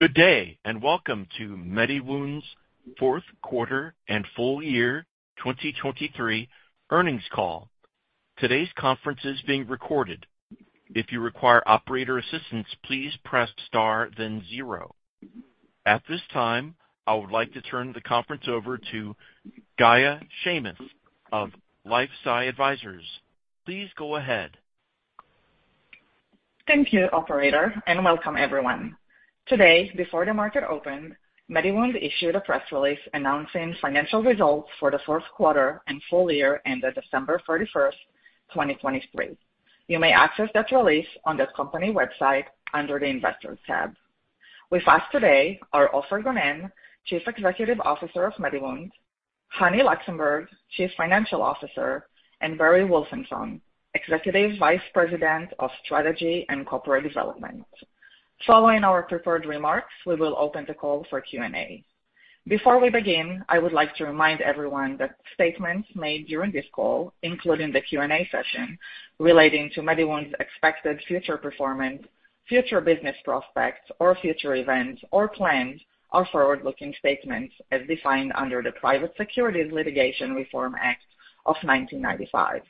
Good day and welcome to MediWound's Fourth Quarter and Full Year 2023 earnings call. Today's conference is being recorded. If you require operator assistance, please press star then 0. At this time, I would like to turn the conference over to Gaia Vasiliver-Shamis of LifeSci Advisors. Please go ahead. Thank you, Operator, and welcome everyone. Today, before the market opened, MediWound issued a press release announcing financial results for the fourth quarter and full year ended December 31st, 2023. You may access that release on the company website under the Investors tab. With us today are Ofer Gonen, Chief Executive Officer of MediWound; Hani Luxenburg, Chief Financial Officer; and Barry Wolfenson, Executive Vice President of Strategy and Corporate Development. Following our prepared remarks, we will open the call for Q&A. Before we begin, I would like to remind everyone that statements made during this call, including the Q&A session relating to MediWound's expected future performance, future business prospects, or future events or plans, are forward-looking statements as defined under the Private Securities Litigation Reform Act of 1995.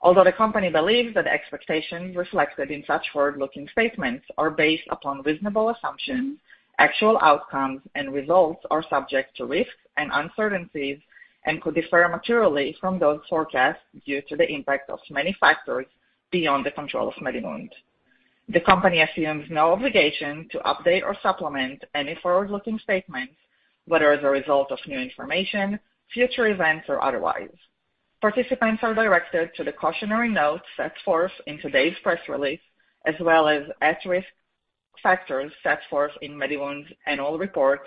Although the company believes that expectations reflected in such forward-looking statements are based upon reasonable assumptions, actual outcomes and results are subject to risks and uncertainties and could differ materially from those forecast due to the impact of many factors beyond the control of MediWound. The company assumes no obligation to update or supplement any forward-looking statements, whether as a result of new information, future events, or otherwise. Participants are directed to the cautionary note set forth in today's press release, as well as at-risk factors set forth in MediWound's annual report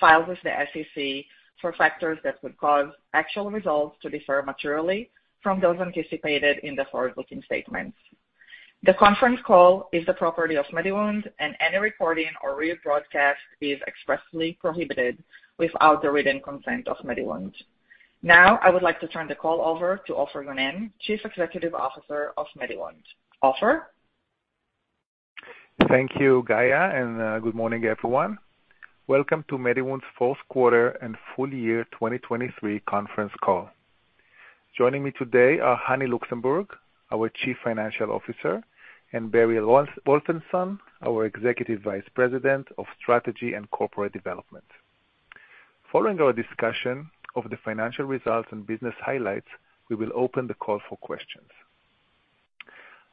filed with the SEC for factors that could cause actual results to differ materially from those anticipated in the forward-looking statements. The conference call is the property of MediWound, and any recording or rebroadcast is expressly prohibited without the written consent of MediWound. Now, I would like to turn the call over to Ofer Gonen, Chief Executive Officer of MediWound. Ofer? Thank you, Gaia, and good morning, everyone. Welcome to MediWound's fourth quarter and full year 2023 conference call. Joining me today are Hani Luxenburg, our Chief Financial Officer, and Barry Wolfenson, our Executive Vice President of Strategy and Corporate Development. Following our discussion of the financial results and business highlights, we will open the call for questions.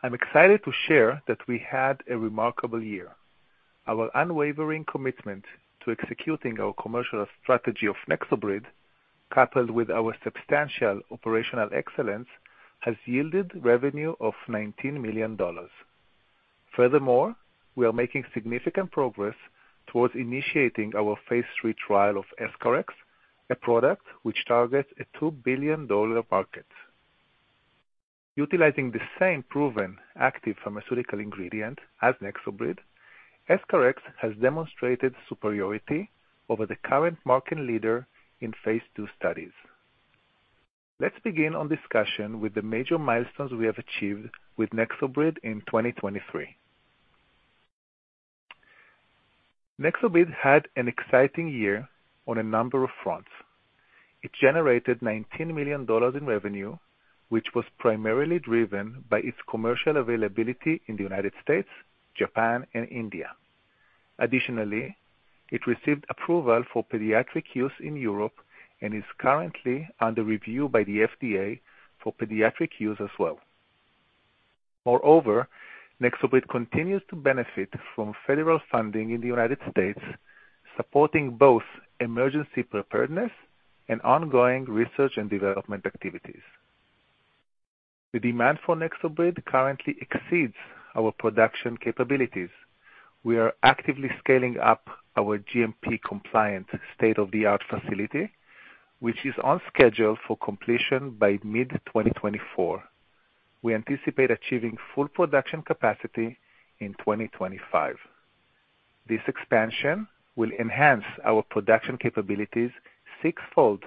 I'm excited to share that we had a remarkable year. Our unwavering commitment to executing our commercial strategy of NexoBrid, coupled with our substantial operational excellence, has yielded revenue of $19 million. Furthermore, we are making significant progress towards initiating our phase three trial of EscharEx, a product which targets a $2 billion market. Utilizing the same proven active pharmaceutical ingredient as NexoBrid, EscharEx has demonstrated superiority over the current market leader in phase two studies. Let's begin our discussion with the major milestones we have achieved with NexoBrid in 2023. NexoBrid had an exciting year on a number of fronts. It generated $19 million in revenue, which was primarily driven by its commercial availability in the United States, Japan, and India. Additionally, it received approval for pediatric use in Europe and is currently under review by the FDA for pediatric use as well. Moreover, NexoBrid continues to benefit from federal funding in the United States, supporting both emergency preparedness and ongoing research and development activities. The demand for NexoBrid currently exceeds our production capabilities. We are actively scaling up our GMP-compliant state-of-the-art facility, which is on schedule for completion by mid-2024. We anticipate achieving full production capacity in 2025. This expansion will enhance our production capabilities six-fold,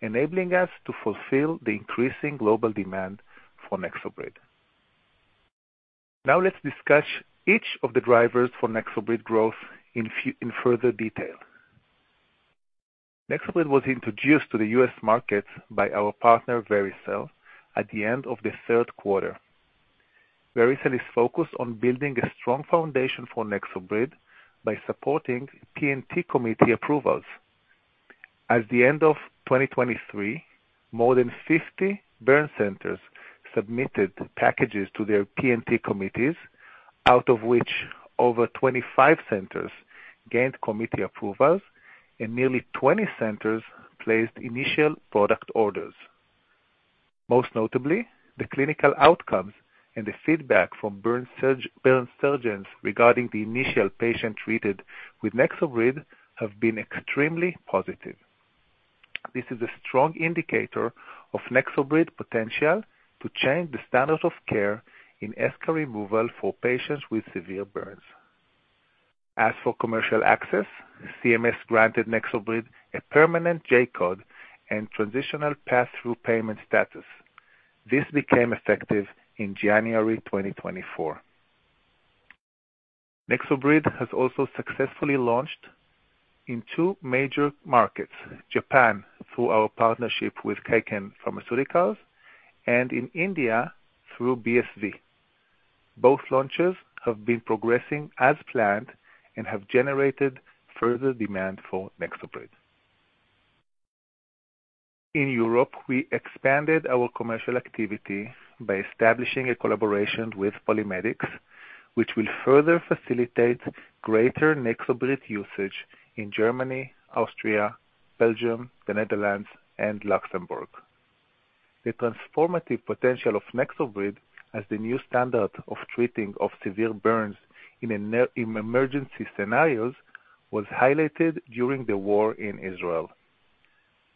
enabling us to fulfill the increasing global demand for NexoBrid. Now let's discuss each of the drivers for NexoBrid growth in further detail. NexoBrid was introduced to the U.S. markets by our partner Vericel at the end of the third quarter. Vericel is focused on building a strong foundation for NexoBrid by supporting P&T committee approvals. At the end of 2023, more than 50 burn centers submitted packages to their P&T committees, out of which over 25 centers gained committee approvals and nearly 20 centers placed initial product orders. Most notably, the clinical outcomes and the feedback from burn surgeons regarding the initial patient treated with NexoBrid have been extremely positive. This is a strong indicator of NexoBrid's potential to change the standard of care in eschar removal for patients with severe burns. As for commercial access, CMS granted NexoBrid a permanent J-code and transitional pass-through payment status. This became effective in January 2024. NexoBrid has also successfully launched in two major markets: Japan through our partnership with Kaken Pharmaceuticals, and in India through BSV. Both launches have been progressing as planned and have generated further demand for NexoBrid. In Europe, we expanded our commercial activity by establishing a collaboration with PolyMedics, which will further facilitate greater NexoBrid usage in Germany, Austria, Belgium, the Netherlands, and Luxembourg. The transformative potential of NexoBrid as the new standard of treating of severe burns in emergency scenarios was highlighted during the war in Israel.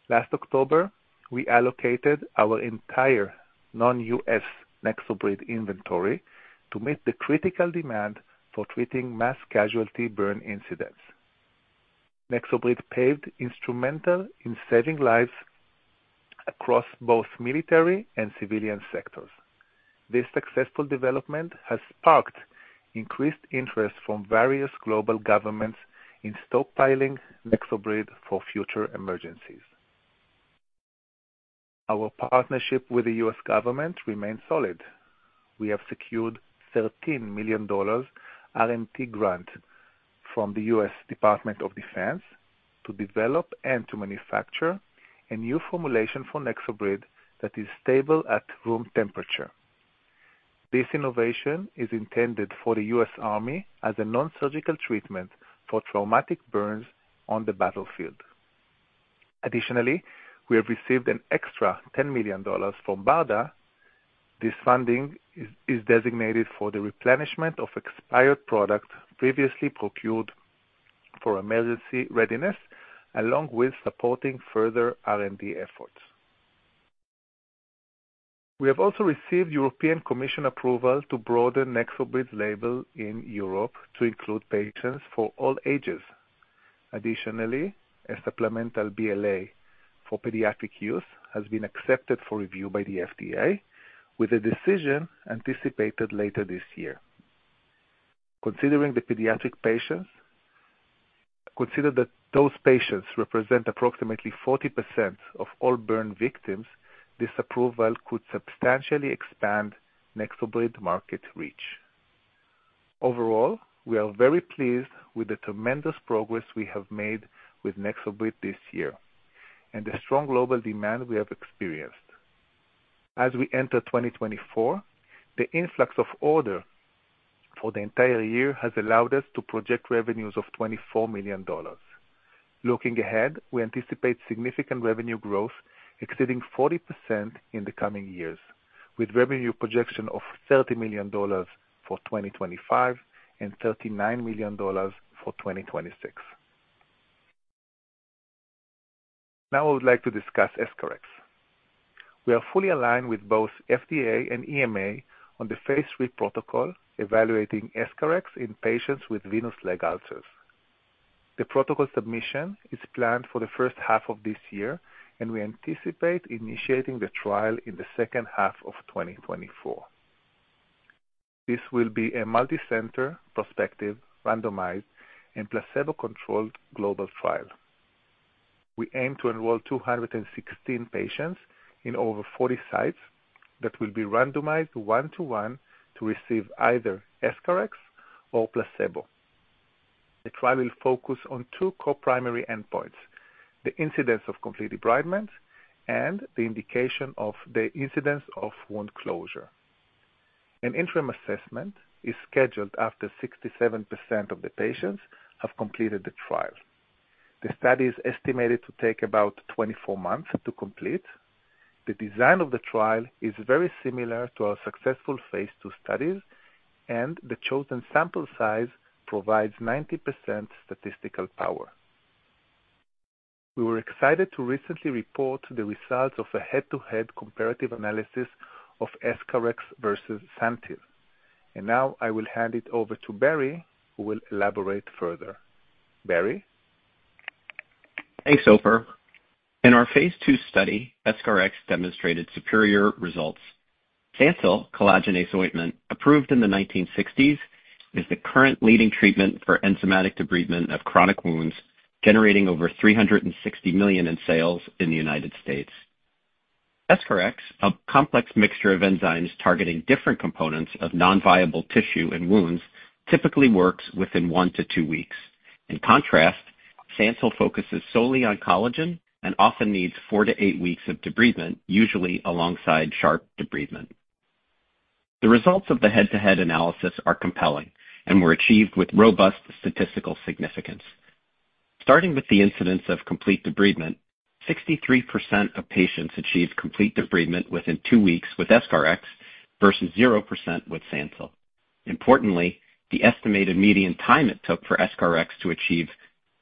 Last October, we allocated our entire non-U.S. NexoBrid inventory to meet the critical demand for treating mass casualty burn incidents. NexoBrid proved instrumental in saving lives across both military and civilian sectors. This successful development has sparked increased interest from various global governments in stockpiling NexoBrid for future emergencies. Our partnership with the U.S. government remains solid. We have secured $13 million R&D grant from the U.S. Department of Defense to develop and to manufacture a new formulation for NexoBrid that is stable at room temperature. This innovation is intended for the U.S. Army as a non-surgical treatment for traumatic burns on the battlefield. Additionally, we have received an extra $10 million from BARDA. This funding is designated for the replenishment of expired products previously procured for emergency readiness, along with supporting further R&D efforts. We have also received European Commission approval to broaden NexoBrid's label in Europe to include patients for all ages. Additionally, a supplemental BLA for pediatric use has been accepted for review by the FDA, with a decision anticipated later this year. Considering the pediatric patients, consider that those patients represent approximately 40% of all burn victims, this approval could substantially expand NexoBrid's market reach. Overall, we are very pleased with the tremendous progress we have made with NexoBrid this year and the strong global demand we have experienced. As we enter 2024, the influx of orders for the entire year has allowed us to project revenues of $24 million. Looking ahead, we anticipate significant revenue growth exceeding 40% in the coming years, with revenue projections of $30 million for 2025 and $39 million for 2026. Now I would like to discuss EscharEx. We are fully aligned with both FDA and EMA on the phase III protocol evaluating EscharEx in patients with venous leg ulcers. The protocol submission is planned for the first half of this year, and we anticipate initiating the trial in the second half of 2024. This will be a multi-center prospective, randomized, and placebo-controlled global trial. We aim to enroll 216 patients in over 40 sites that will be randomized 1:1 to receive either EscharEx or placebo. The trial will focus on two co-primary endpoints: the incidence of complete debridement and the indication of the incidence of wound closure. An interim assessment is scheduled after 67% of the patients have completed the trial. The study is estimated to take about 24 months to complete. The design of the trial is very similar to our successful phase two studies, and the chosen sample size provides 90% statistical power. We were excited to recently report the results of a head-to-head comparative analysis of EscharEx versus Santyl, and now I will hand it over to Barry, who will elaborate further. Barry? Thanks, Ofer. In our phase II study, EscharEx demonstrated superior results. Santyl, collagenase ointment approved in the 1960s, is the current leading treatment for enzymatic debridement of chronic wounds, generating over $360 million in sales in the United States. EscharEx, a complex mixture of enzymes targeting different components of non-viable tissue and wounds, typically works within 1-2 weeks. In contrast, Santyl focuses solely on collagen and often needs 4-8 weeks of debridement, usually alongside sharp debridement. The results of the head-to-head analysis are compelling and were achieved with robust statistical significance. Starting with the incidence of complete debridement, 63% of patients achieved complete debridement within two weeks with EscharEx versus 0% with Santyl. Importantly, the estimated median time it took for EscharEx to achieve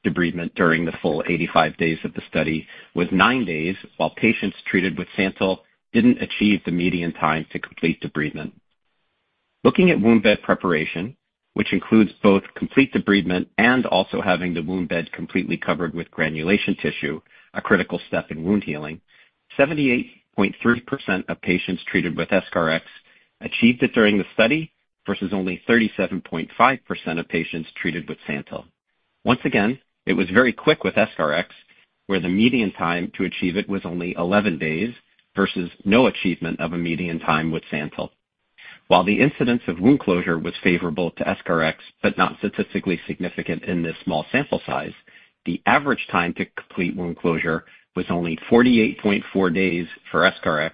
debridement during the full 85 days of the study was 9 days, while patients treated with Santyl didn't achieve the median time to complete debridement. Looking at wound bed preparation, which includes both complete debridement and also having the wound bed completely covered with granulation tissue, a critical step in wound healing, 78.3% of patients treated with EscharEx achieved it during the study versus only 37.5% of patients treated with Santyl. Once again, it was very quick with EscharEx, where the median time to achieve it was only 11 days versus no achievement of a median time with Santyl. While the incidence of wound closure was favorable to EscharEx but not statistically significant in this small sample size, the average time to complete wound closure was only 48.4 days for EscharEx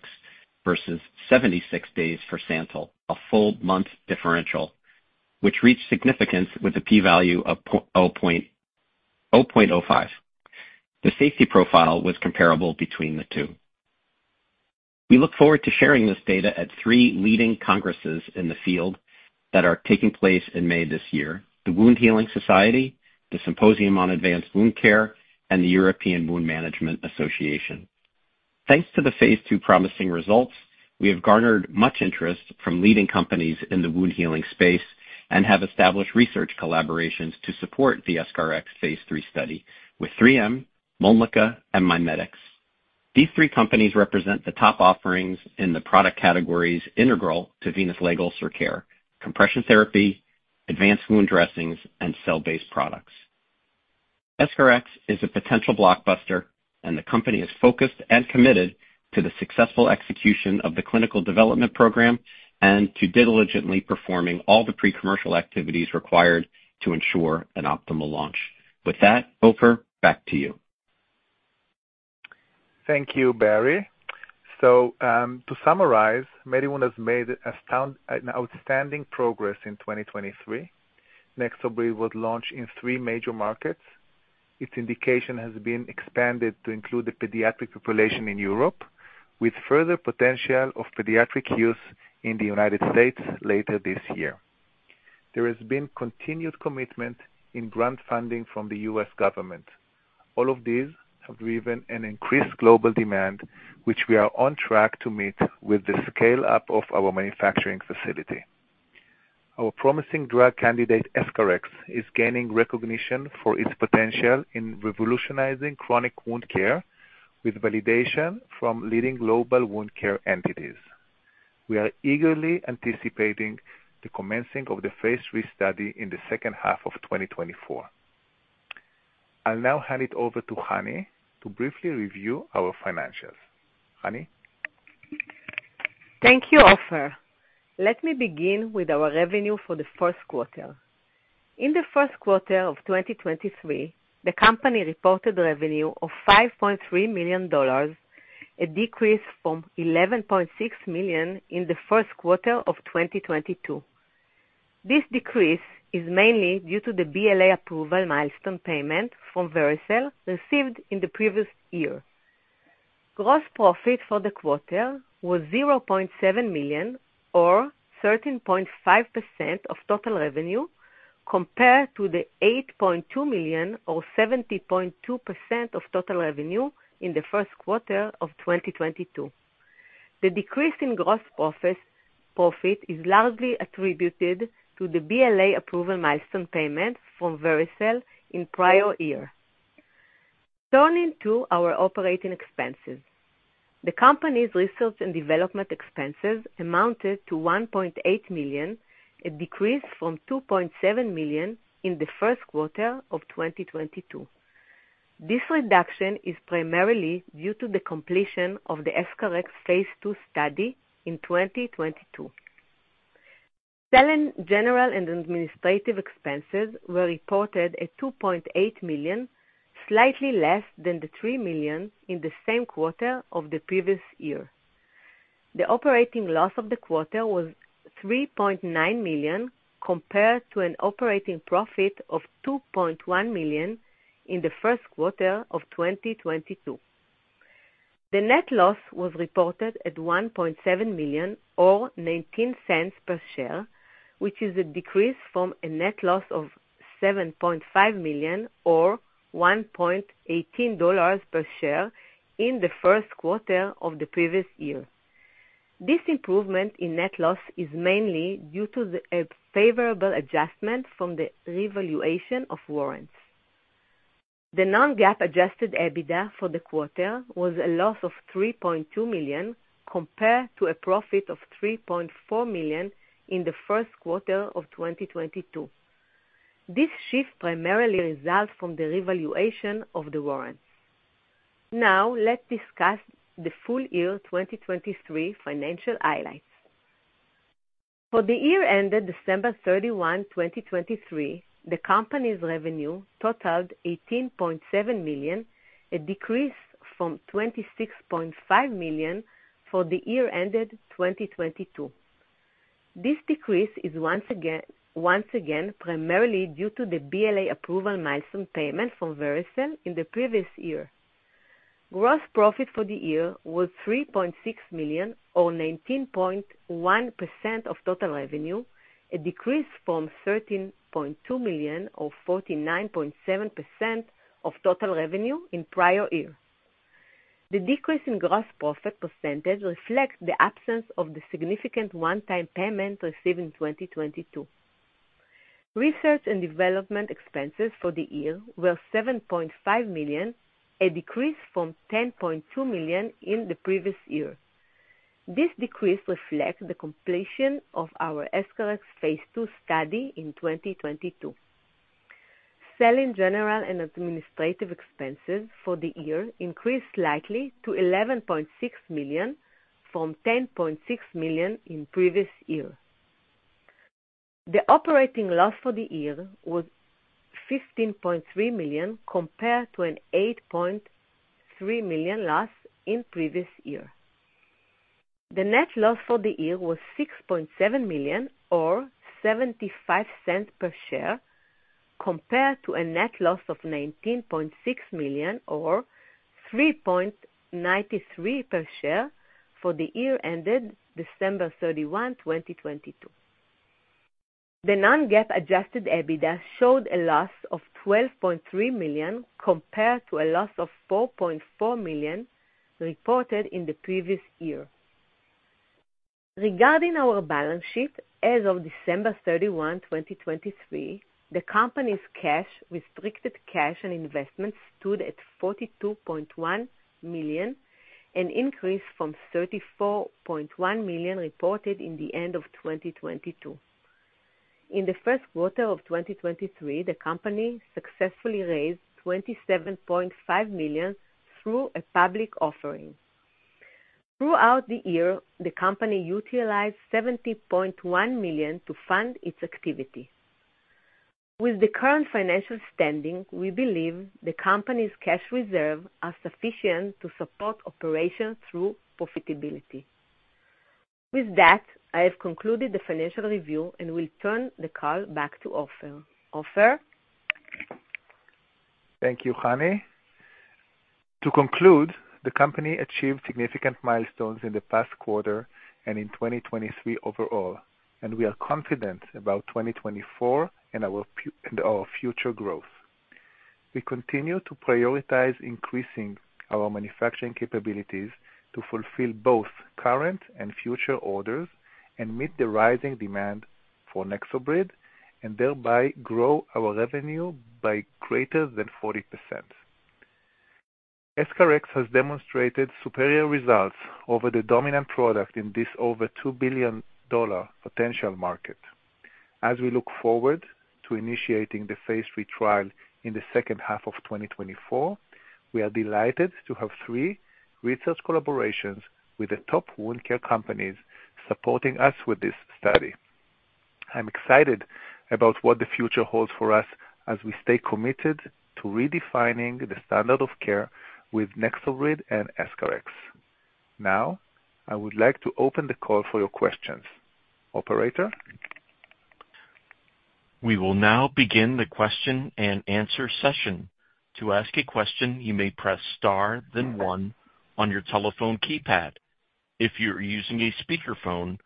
versus 76 days for Santyl, a full month differential, which reached significance with a p-value of 0.05. The safety profile was comparable between the two. We look forward to sharing this data at three leading congresses in the field that are taking place in May this year: the Wound Healing Society, the Symposium on Advanced Wound Care, and the European Wound Management Association. Thanks to the phase 2 promising results, we have garnered much interest from leading companies in the wound healing space and have established research collaborations to support the EscharEx phase 3 study with 3M, Mölnlycke, and MiMedx. These three companies represent the top offerings in the product categories integral to venous leg ulcer care: compression therapy, advanced wound dressings, and cell-based products. EscharEx is a potential blockbuster, and the company is focused and committed to the successful execution of the clinical development program and to diligently performing all the pre-commercial activities required to ensure an optimal launch. With that, Ofer, back to you. Thank you, Barry. To summarize, MediWound has made outstanding progress in 2023. NexoBrid was launched in three major markets. Its indication has been expanded to include the pediatric population in Europe, with further potential of pediatric use in the United States later this year. There has been continued commitment in grant funding from the U.S. government. All of these have driven an increased global demand, which we are on track to meet with the scale-up of our manufacturing facility. Our promising drug candidate, EscharEx, is gaining recognition for its potential in revolutionizing chronic wound care with validation from leading global wound care entities. We are eagerly anticipating the commencing of the phase III study in the second half of 2024. I'll now hand it over to Hani to briefly review our financials. Hani? Thank you, Ofer. Let me begin with our revenue for the first quarter. In the first quarter of 2023, the company reported revenue of $5.3 million, a decrease from $11.6 million in the first quarter of 2022. This decrease is mainly due to the BLA approval milestone payment from Vericel received in the previous year. Gross profit for the quarter was $0.7 million, or 13.5% of total revenue, compared to the $8.2 million, or 70.2% of total revenue, in the first quarter of 2022. The decrease in gross profit is largely attributed to the BLA approval milestone payment from Vericel in prior year. Turning to our operating expenses. The company's research and development expenses amounted to $1.8 million, a decrease from $2.7 million in the first quarter of 2022. This reduction is primarily due to the completion of the EscharEx phase II study in 2022. Selling, general, and administrative expenses were reported at $2.8 million, slightly less than the $3 million in the same quarter of the previous year. The operating loss of the quarter was $3.9 million, compared to an operating profit of $2.1 million in the first quarter of 2022. The net loss was reported at $1.7 million, or $0.19 per share, which is a decrease from a net loss of $7.5 million, or $1.18 per share, in the first quarter of the previous year. This improvement in net loss is mainly due to a favorable adjustment from the revaluation of warrants. The non-GAAP adjusted EBITDA for the quarter was a loss of $3.2 million, compared to a profit of $3.4 million in the first quarter of 2022. This shift primarily results from the revaluation of the warrants. Now let's discuss the full year 2023 financial highlights. For the year ended December 31, 2023, the company's revenue totaled $18.7 million, a decrease from $26.5 million for the year ended 2022. This decrease is once again primarily due to the BLA approval milestone payment from Vericel in the previous year. Gross profit for the year was $3.6 million, or 19.1% of total revenue, a decrease from $13.2 million, or 49.7% of total revenue, in prior year. The decrease in gross profit percentage reflects the absence of the significant one-time payment received in 2022. Research and development expenses for the year were $7.5 million, a decrease from $10.2 million in the previous year. This decrease reflects the completion of our EscharEx phase II study in 2022. Selling general and administrative expenses for the year increased slightly to $11.6 million from $10.6 million in the previous year. The operating loss for the year was $15.3 million, compared to an $8.3 million loss in the previous year. The net loss for the year was $6.7 million, or $0.75 per share, compared to a net loss of $19.6 million, or $3.93 per share, for the year ended December 31, 2022. The non-GAAP adjusted EBITDA showed a loss of $12.3 million, compared to a loss of $4.4 million reported in the previous year. Regarding our balance sheet as of December 31st, 2023, the company's cash, restricted cash, and investments stood at $42.1 million, an increase from $34.1 million reported in the end of 2022. In the first quarter of 2023, the company successfully raised $27.5 million through a public offering. Throughout the year, the company utilized $70.1 million to fund its activity. With the current financial standing, we believe the company's cash reserve is sufficient to support operations through profitability. With that, I have concluded the financial review and will turn the call back to Ofer. Ofer? Thank you, Hani. To conclude, the company achieved significant milestones in the past quarter and in 2023 overall, and we are confident about 2024 and our future growth. We continue to prioritize increasing our manufacturing capabilities to fulfill both current and future orders and meet the rising demand for NexoBrid, and thereby grow our revenue by greater than 40%. EscharEx has demonstrated superior results over the dominant product in this over $2 billion potential market. As we look forward to initiating the phase 3 trial in the second half of 2024, we are delighted to have 3 research collaborations with the top wound care companies supporting us with this study. I'm excited about what the future holds for us as we stay committed to redefining the standard of care with NexoBrid and EscharEx. Now, I would like to open the call for your questions. Operator? We will now begin the question and answer session. To ask a question, you may press star, then one, on your telephone keypad. If you're using a speakerphone,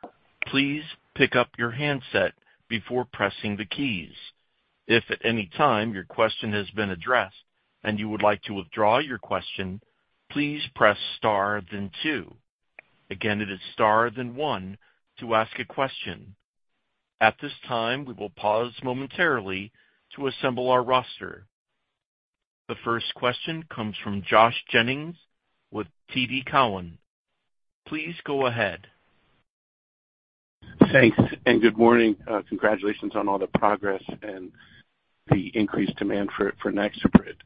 please pick up your handset before pressing the keys. If at any time your question has been addressed and you would like to withdraw your question, please press star, then two. Again, it is star, then one, to ask a question. At this time, we will pause momentarily to assemble our roster. The first question comes from Josh Jennings with TD Cowen. Please go ahead. Thanks, and good morning. Congratulations on all the progress and the increased demand for NexoBrid.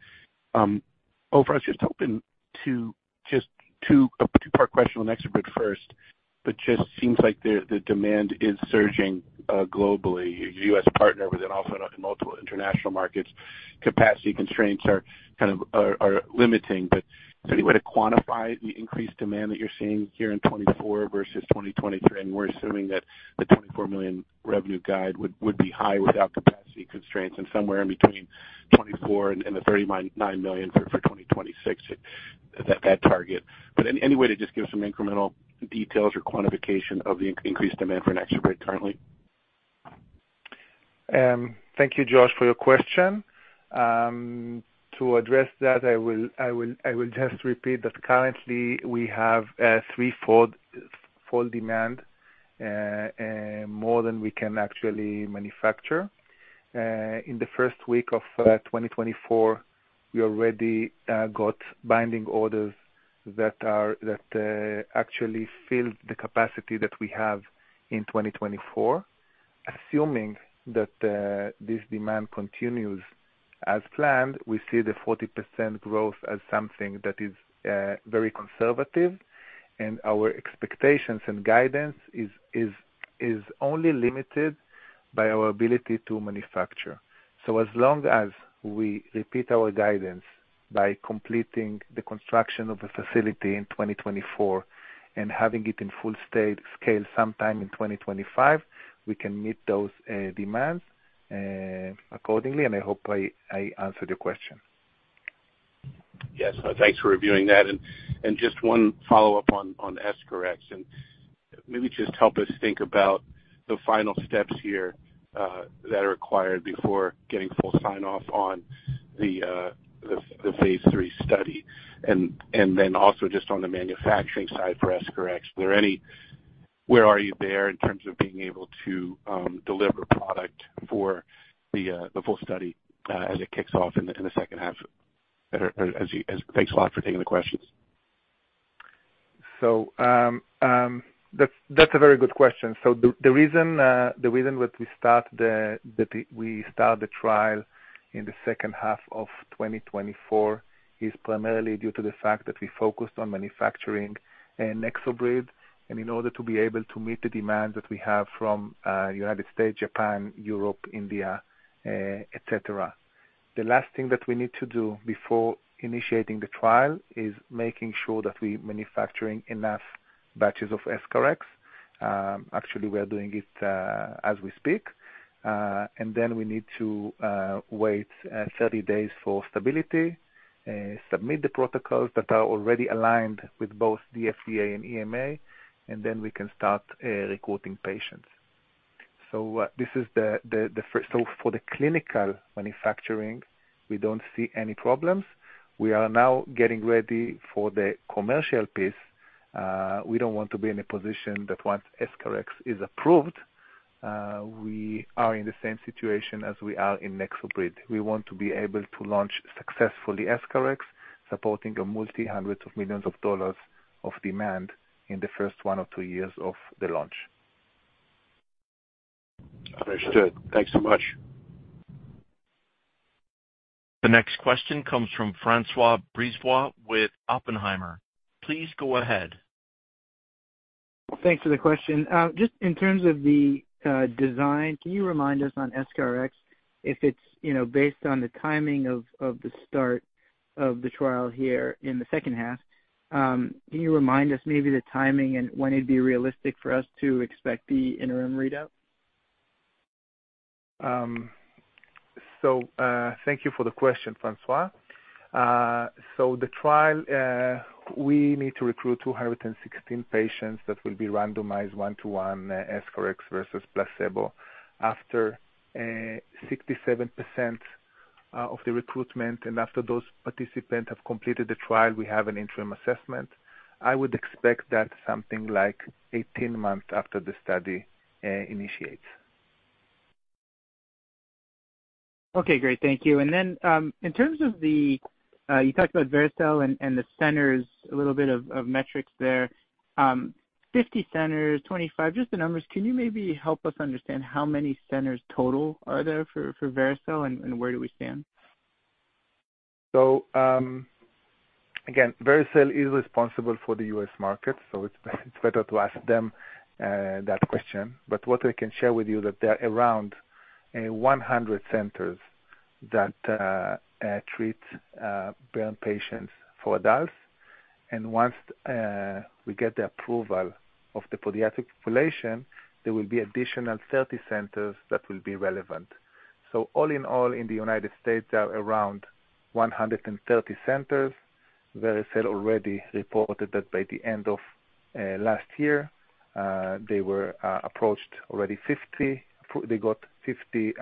Ofer, I was just hoping to just a two-part question on NexoBrid first, but it just seems like the demand is surging globally. You're a US partner, but then also in multiple international markets. Capacity constraints are kind of limiting. Is there any way to quantify the increased demand that you're seeing here in 2024 versus 2023? I mean, we're assuming that the $24 million revenue guide would be high without capacity constraints and somewhere in between $24 million and the $39 million for 2026, that target. Any way to just give some incremental details or quantification of the increased demand for NexoBrid currently? Thank you, Josh, for your question. To address that, I will just repeat that currently, we have threefold demand and more than we can actually manufacture. In the first week of 2024, we already got binding orders that actually filled the capacity that we have in 2024. Assuming that this demand continues as planned, we see the 40% growth as something that is very conservative, and our expectations and guidance is only limited by our ability to manufacture. So as long as we repeat our guidance by completing the construction of the facility in 2024 and having it in full scale sometime in 2025, we can meet those demands accordingly, and I hope I answered your question. Yes. Thanks for reviewing that. Just one follow-up on EscharEx. Maybe just help us think about the final steps here that are required before getting full sign-off on the phase three study. Then also just on the manufacturing side for EscharEx, where are you there in terms of being able to deliver product for the full study as it kicks off in the second half? Thanks a lot for taking the questions. So that's a very good question. So the reason that we start the trial in the second half of 2024 is primarily due to the fact that we focused on manufacturing NexoBrid, and in order to be able to meet the demands that we have from the United States, Japan, Europe, India, etc. The last thing that we need to do before initiating the trial is making sure that we're manufacturing enough batches of EscharEx. Actually, we are doing it as we speak. And then we need to wait 30 days for stability, submit the protocols that are already aligned with both the FDA and EMA, and then we can start recruiting patients. So for the clinical manufacturing, we don't see any problems. We are now getting ready for the commercial piece. We don't want to be in a position that once EscharEx is approved, we are in the same situation as we are in NexoBrid. We want to be able to launch successfully EscharEx, supporting $multi-hundreds of millions of demand in the first one or two years of the launch. Understood. Thanks so much. The next question comes from François Brisebois with Oppenheimer. Please go ahead. Thanks for the question. Just in terms of the design, can you remind us on EscharEx if it's based on the timing of the start of the trial here in the second half? Can you remind us maybe the timing and when it'd be realistic for us to expect the interim readout? Thank you for the question, François. The trial, we need to recruit 216 patients that will be randomized 1:1 EscharEx versus placebo. After 67% of the recruitment and after those participants have completed the trial, we have an interim assessment. I would expect that something like 18 months after the study initiates. Okay. Great. Thank you. And then in terms of the you talked about Vericel and the centers, a little bit of metrics there. 50 centers, 25, just the numbers. Can you maybe help us understand how many centers total are there for Vericel, and where do we stand? So again, Vericel is responsible for the U.S. markets, so it's better to ask them that question. But what I can share with you is that there are around 100 centers that treat burn patients for adults. And once we get the approval of the pediatric population, there will be additional 30 centers that will be relevant. So all in all, in the United States, there are around 130 centers. Vericel already reported that by the end of last year, they were approached already 50. They got 50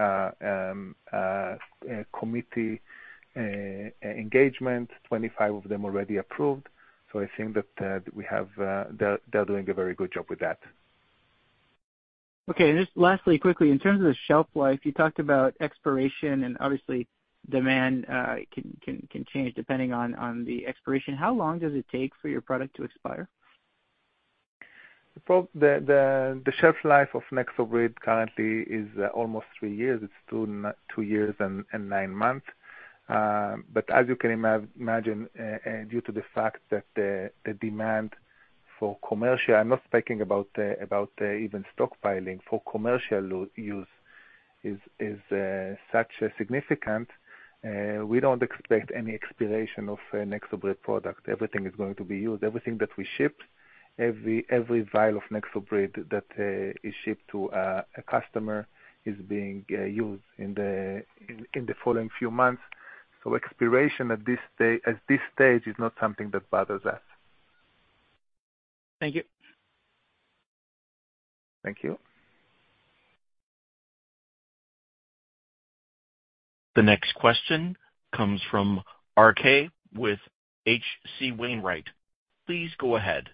committee engagements, 25 of them already approved. So I think that yeah, they're doing a very good job with that. Okay. And just lastly, quickly, in terms of the shelf life, you talked about expiration, and obviously, demand can change depending on the expiration. How long does it take for your product to expire? The shelf life of NexoBrid currently is almost 3 years. It's 2 years and 9 months. But as you can imagine, due to the fact that the demand for commercial. I'm not speaking about even stockpiling. For commercial use, it's such a significant we don't expect any expiration of NexoBrid product. Everything is going to be used. Everything that we ship, every vial of NexoBrid that is shipped to a customer is being used in the following few months. So expiration at this stage is not something that bothers us. Thank you. Thank you. The next question comes from RK with H.C. Wainwright. Please go ahead.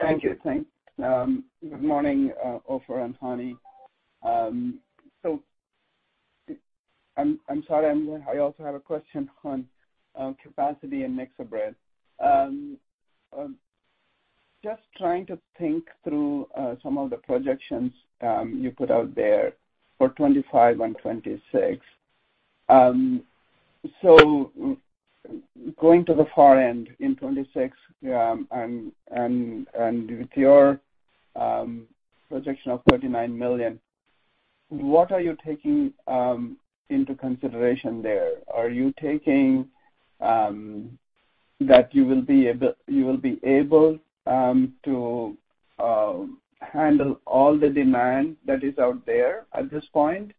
Thank you. Good morning, Ofer, and Hani. So I'm sorry, I mean. I also have a question on capacity in NexoBrid. Just trying to think through some of the projections you put out there for 2025 and 2026. So going to the far end in 2026 and with your projection of $39 million, what are you taking into consideration there? Are you taking that you will be able to handle all the demand that is out there at this point,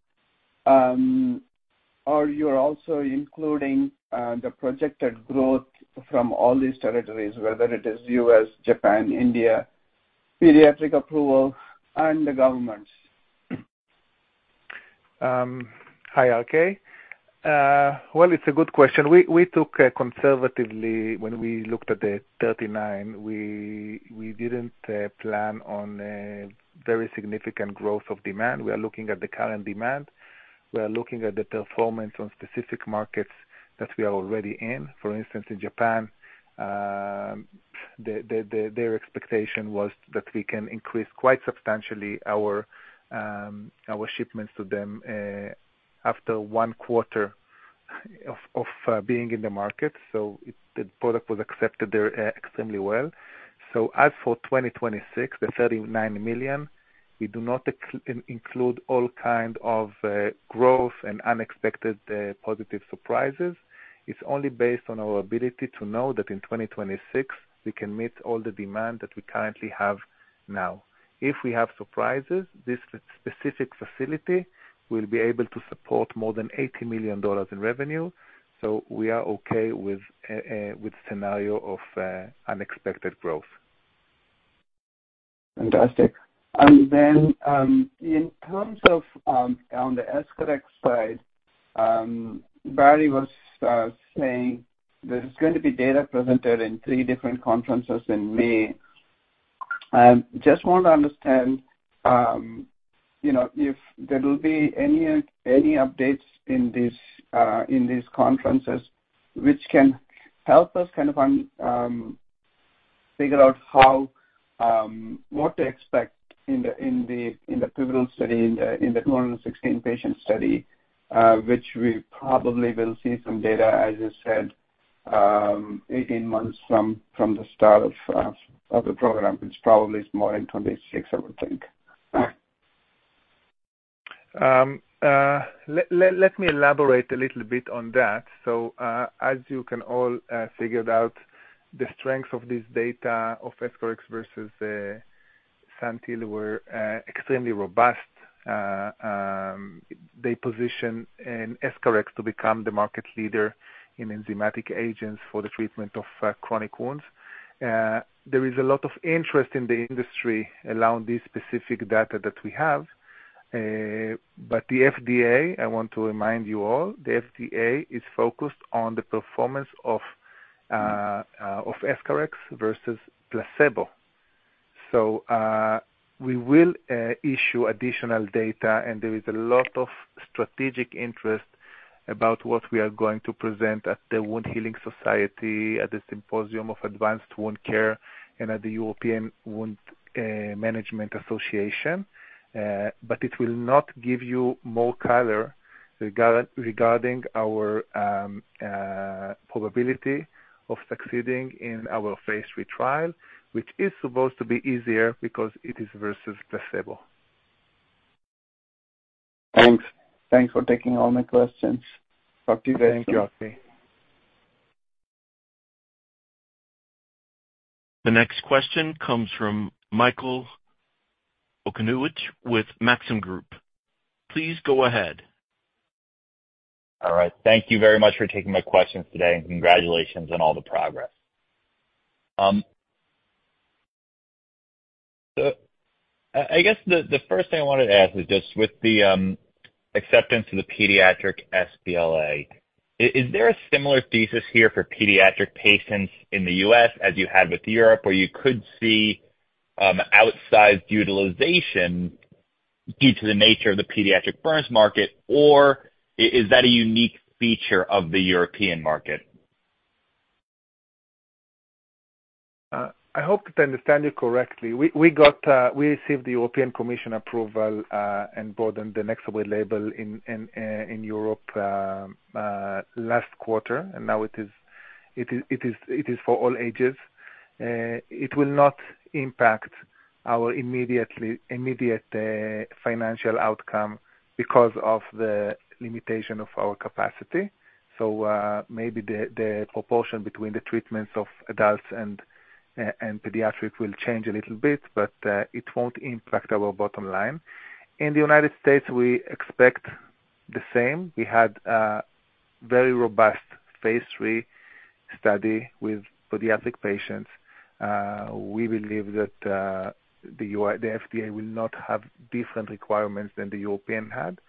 or you're also including the projected growth from all these territories, whether it is US, Japan, India, pediatric approval, and the governments? Hi, RK. Well, it's a good question. When we looked at the $39, we didn't plan on very significant growth of demand. We are looking at the current demand. We are looking at the performance on specific markets that we are already in. For instance, in Japan, their expectation was that we can increase quite substantially our shipments to them after one quarter of being in the market. So the product was accepted there extremely well. So as for 2026, the $39 million, we do not include all kinds of growth and unexpected positive surprises. It's only based on our ability to know that in 2026, we can meet all the demand that we currently have now. If we have surprises, this specific facility will be able to support more than $80 million in revenue. So we are okay with the scenario of unexpected growth. Fantastic. Then in terms of on the EscharEx side, Barry was saying there's going to be data presented in three different conferences in May. I just want to understand if there will be any updates in these conferences which can help us kind of figure out what to expect in the pivotal study, in the 216-patient study, which we probably will see some data, as you said, 18 months from the start of the program. It's probably more in 2026, I would think. Let me elaborate a little bit on that. So as you can all figure it out, the strengths of this data of EscharEx versus Santyl were extremely robust. They position EscharEx to become the market leader in enzymatic agents for the treatment of chronic wounds. There is a lot of interest in the industry around this specific data that we have. But the FDA, I want to remind you all, the FDA is focused on the performance of EscharEx versus placebo. So we will issue additional data, and there is a lot of strategic interest about what we are going to present at the Wound Healing Society, at the Symposium on Advanced Wound Care, and at the European Wound Management Association. But it will not give you more color regarding our probability of succeeding in our phase III trial, which is supposed to be easier because it is versus placebo. Thanks. Thanks for taking all my questions. Talk to you very soon. Thank you, RK. The next question comes from Michael Okunewitch with Maxim Group. Please go ahead. All right. Thank you very much for taking my questions today, and congratulations on all the progress. I guess the first thing I wanted to ask is just with the acceptance of the pediatric sBLA, is there a similar thesis here for pediatric patients in the U.S. as you had with Europe, where you could see outsized utilization due to the nature of the pediatric burns market, or is that a unique feature of the European market? I hope to understand you correctly. We received the European Commission approval and broadened the NexoBrid label in Europe last quarter, and now it is for all ages. It will not impact our immediate financial outcome because of the limitation of our capacity. So maybe the proportion between the treatments of adults and pediatric will change a little bit, but it won't impact our bottom line. In the United States, we expect the same. We had a very robust phase III study with pediatric patients. We believe that the FDA will not have different requirements than the European had.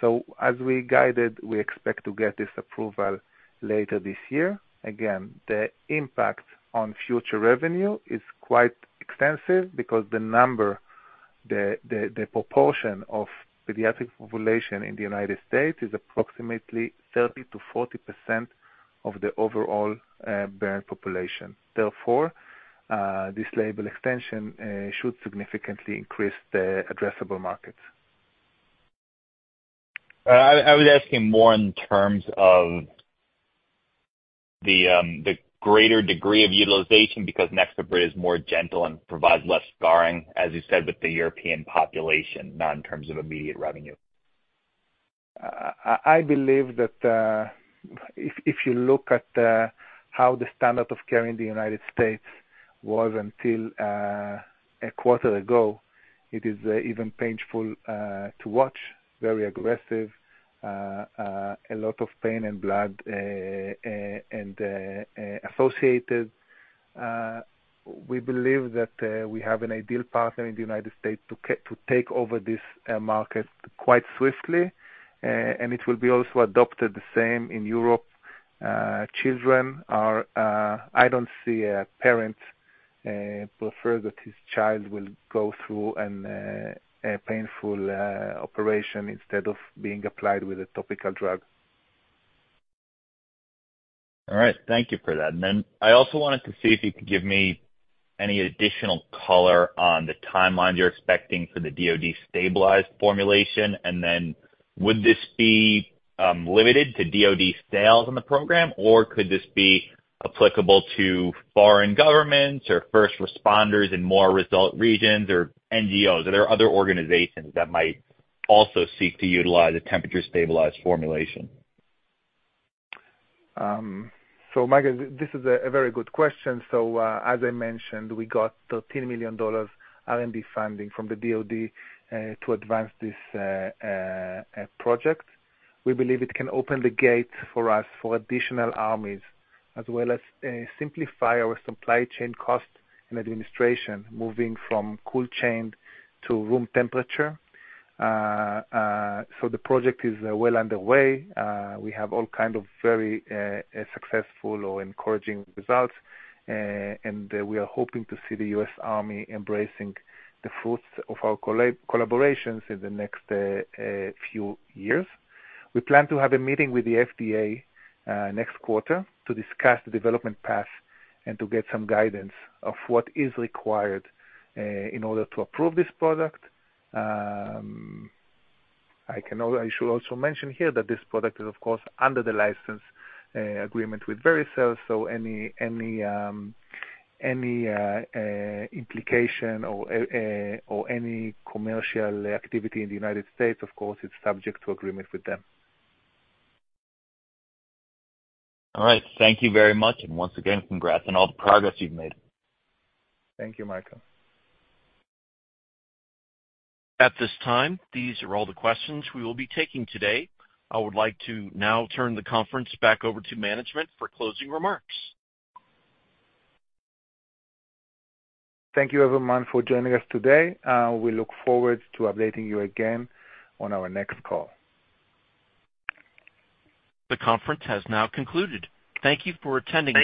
So as we guided, we expect to get this approval later this year. Again, the impact on future revenue is quite extensive because the proportion of pediatric population in the United States is approximately 30%-40% of the overall burn population. Therefore, this label extension should significantly increase the addressable markets. I was asking more in terms of the greater degree of utilization because NexoBrid is more gentle and provides less scarring, as you said, with the European population, not in terms of immediate revenue. I believe that if you look at how the standard of care in the United States was until a quarter ago, it is even painful to watch. Very aggressive, a lot of pain and blood associated. We believe that we have an ideal partner in the United States to take over this market quite swiftly, and it will be also adopted the same in Europe. I don't see a parent prefer that his child will go through a painful operation instead of being applied with a topical drug. All right. Thank you for that. And then I also wanted to see if you could give me any additional color on the timelines you're expecting for the DOD stabilized formulation. And then would this be limited to DOD sales in the program, or could this be applicable to foreign governments or first responders in more result regions or NGOs? Are there other organizations that might also seek to utilize a temperature-stabilized formulation? So Mike, this is a very good question. So as I mentioned, we got $13 million R&D funding from the DOD to advance this project. We believe it can open the gates for us for additional armies as well as simplify our supply chain costs and administration moving from cold chain to room temperature. So the project is well underway. We have all kinds of very successful or encouraging results, and we are hoping to see the U.S. Army embracing the fruits of our collaborations in the next few years. We plan to have a meeting with the FDA next quarter to discuss the development path and to get some guidance of what is required in order to approve this product. I should also mention here that this product is, of course, under the license agreement with Vericel. Any implication or any commercial activity in the United States, of course, it's subject to agreement with them. All right. Thank you very much. Once again, congrats on all the progress you've made. Thank you, Michael. At this time, these are all the questions we will be taking today. I would like to now turn the conference back over to management for closing remarks. Thank you, everyone, for joining us today. We look forward to updating you again on our next call. The conference has now concluded. Thank you for attending.